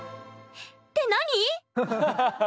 って何？